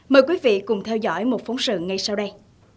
mời quý vị cùng theo dõi một phóng sự ngay sau đây